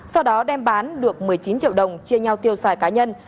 sau đó đem bán được một mươi chín triệu đồng chia nhau tiêu xài cá nhân